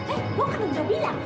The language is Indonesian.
eh gue kan udah bilang